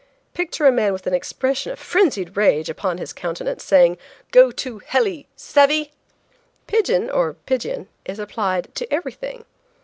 Picture a man with an expression of frenzied rage upon his countenance, saying: "Go to hellee, savey?" Pidgin or pigeon, is applied to everything.